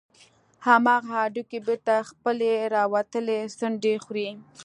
همغه هډوکى بېرته خپلې راوتلې څنډې خوري.